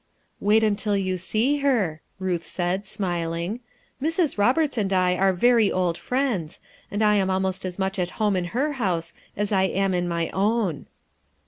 '* "Wait until you see her/' Ruth said, smiling. "Mrs. Roberts and I are very old friends, and I am almost as much at home in her house as I am in my own."